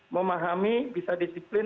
memahami bisa disiplin